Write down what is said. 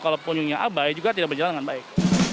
kalau pengunjungnya abai juga tidak berjalan dengan baik